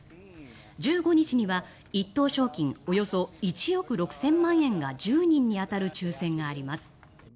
１５日には１等賞金およそ１億６０００万円が１０人に当たる抽選があります。